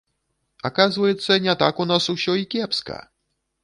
Аказваецца, не так у нас усё і кепска!